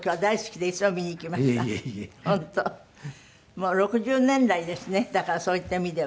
もう６０年代ですねだからそういった意味では。